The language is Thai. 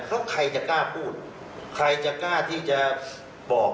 เขาใครจะกล้าพูดใครจะกล้าที่จะบอก